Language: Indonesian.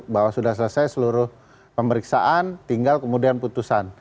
bahwa sudah selesai seluruh pemeriksaan tinggal kemudian putusan